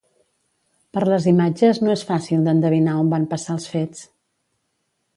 Per les imatges no és fàcil d’endevinar on van passar els fets.